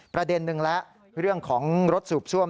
ประเด็นหนึ่งแล้วเรื่องของรถสูบซ่วม